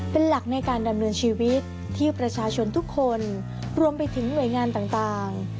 เป็นหลักในการดำเนินชีวิตที่ประชาชนทุกคนรวมไปถึงหน่วยงานต่าง